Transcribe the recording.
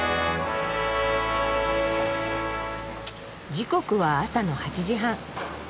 時刻は朝の８時半。